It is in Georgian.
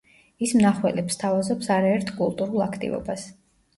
ის მნახველებს სთავაზობს არაერთ კულტურულ აქტივობას.